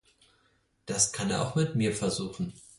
Das kann er auch mit mir versuchen.